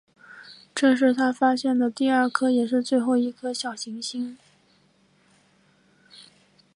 这是他发现的第二颗也是最后一颗小行星。